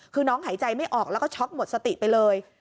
คือน้องหายใจไม่ออกแล้วก็ช็อกหมดสติไปเลย